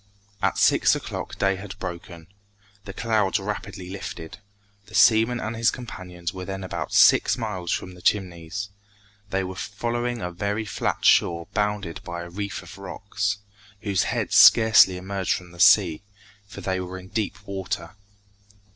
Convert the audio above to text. At six o'clock day had broken. The clouds rapidly lifted. The seaman and his companions were then about six miles from the Chimneys. They were following a very flat shore bounded by a reef of rocks, whose heads scarcely emerged from the sea, for they were in deep water.